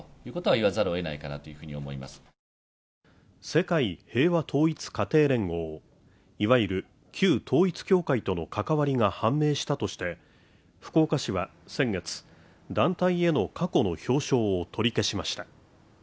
世界平和統一家庭連合、いわゆる旧統一教会との関わりが判明したとして福岡市は先月、団体への過去の表彰を取り消しました。